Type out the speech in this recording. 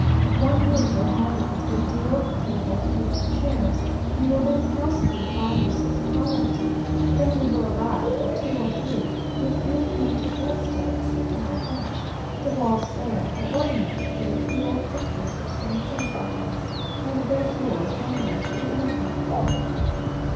One room will have in it a deal table and a few chairs; you will then pass through five or six quite empty; then you will arrive at two or three, with green painted bedsteads and a bench; the walls bare, or ornamented with a few old pictures of Saints and Virgins, and bare floors ornamented with nothing.